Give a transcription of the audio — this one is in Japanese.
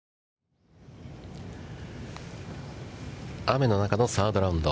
雨の中のサードラウンド。